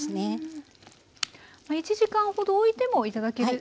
１時間ほどおいても頂ける。